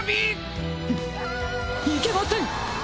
フムいけません！